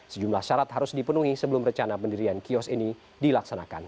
sejumlah syarat harus dipenuhi sebelum rencana pendirian kios ini dilaksanakan